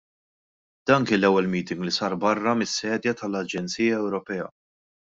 Dan kien l-ewwel meeting li sar barra mis-sedja tal-Aġenzija Ewropea.